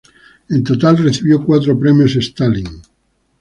En total, recibió cuatro premios Stalin.